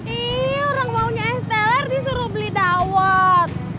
ih orang maunya es teler disuruh beli dawot